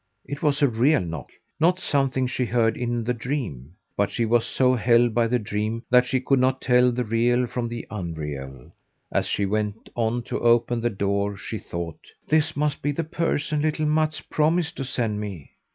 It was a real knock not something she heard in the dream, but she was so held by the dream that she could not tell the real from the unreal. As she went on to open the door, she thought: "This must be the person little Mats promised to send me."